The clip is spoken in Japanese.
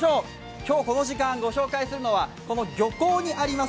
今日この時間ご紹介するのは漁港にあります